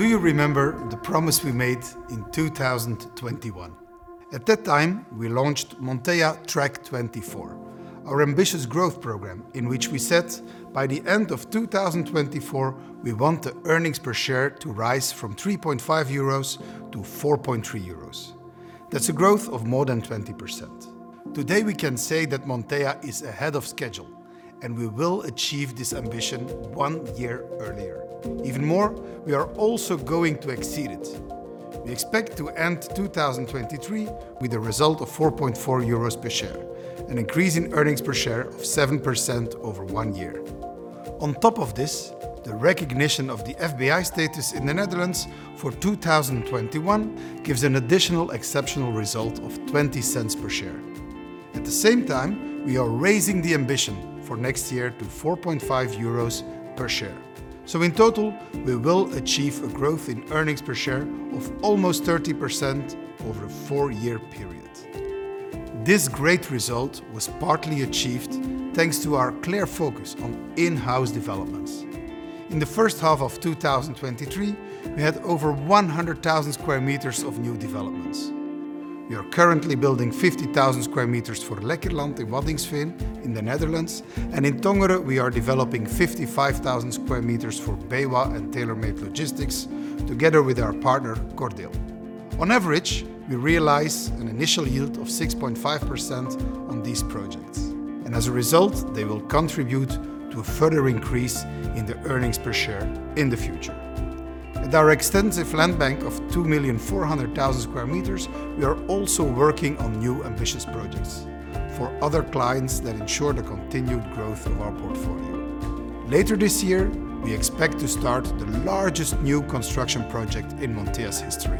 Do you remember the promise we made in 2021? At that time, we launched Montea Track '24, our ambitious growth program, in which we said, by the end of 2024, we want the earnings per share to rise from 3.5 euros to 4.3 euros. That's a growth of more than 20%. Today, we can say that Montea is ahead of schedule, and we will achieve this ambition one year earlier. Even more, we are also going to exceed it. We expect to end 2023 with a result of 4.4 euros per share, an increase in earnings per share of 7% over one year. On top of this, the recognition of the FBI status in the Netherlands for 2021 gives an additional exceptional result of 0.20 per share. At the same time, we are raising the ambition for next year to 4.5 euros per share. In total, we will achieve a growth in earnings per share of almost 30% over a four-year period. This great result was partly achieved thanks to our clear focus on in-house developments. In the first half of 2023, we had over 100,000 square meters of new developments. We are currently building 50,000 square meters for Lekkerland in Waddinxveen in the Netherlands, and in Tongeren, we are developing 55,000 square meters for BayWa and Tailormade Logistics together with our partner, Cordeel. On average, we realize an initial yield of 6.5% on these projects, and as a result, they will contribute to a further increase in the earnings per share in the future. With our extensive land bank of 2,400,000 square meters, we are also working on new ambitious projects for other clients that ensure the continued growth of our portfolio. Later this year, we expect to start the largest new construction project in Montea's history,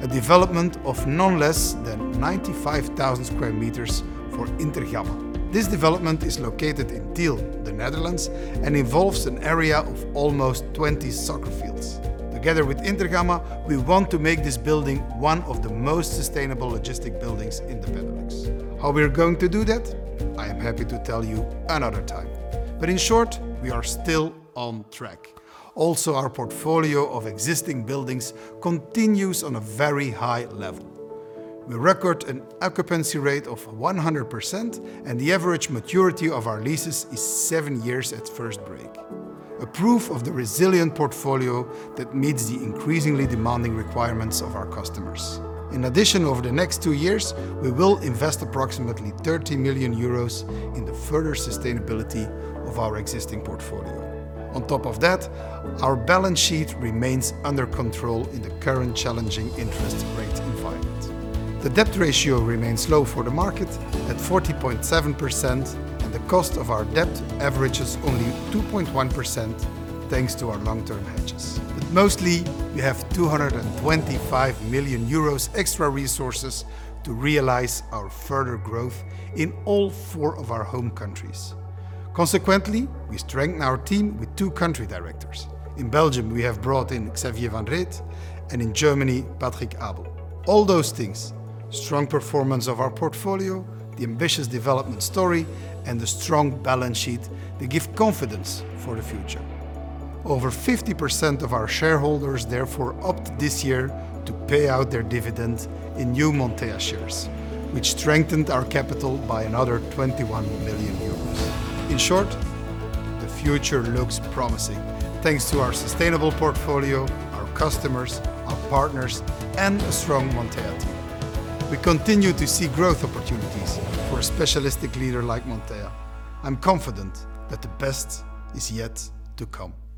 a development of none less than 95,000 square meters for Intergamma. This development is located in Tiel, the Netherlands, and involves an area of almost 20 soccer fields. Together with Intergamma, we want to make this building one of the most sustainable logistic buildings in the Netherlands. How we are going to do that? I am happy to tell you another time. In short, we are still on track. Also, our portfolio of existing buildings continues on a very high level. We record an occupancy rate of 100%, and the average maturity of our leases is seven years at first break, a proof of the resilient portfolio that meets the increasingly demanding requirements of our customers. In addition, over the next two years, we will invest approximately 30 million euros in the further sustainability of our existing portfolio. On top of that, our balance sheet remains under control in the current challenging interest rate environment. The debt ratio remains low for the market at 40.7%, and the cost of our debt averages only 2.1% thanks to our long-term hedges. Mostly, we have 225 million euros extra resources to realize our further growth in all four of our home countries. Consequently, we strengthen our team with two country directors. In Belgium, we have brought in Xavier Van Reeth, and in Germany, Patrick Abel. All those things, strong performance of our portfolio, the ambitious development story, and the strong balance sheet, they give confidence for the future. Over 50% of our shareholders therefore opt this year to pay out their dividends in new Montea shares, which strengthened our capital by another 21 million euros. In short, the future looks promising, thanks to our sustainable portfolio, our customers, our partners, and a strong Montea team. We continue to see growth opportunities for a specialistic leader like Montea. I'm confident that the best is yet to come.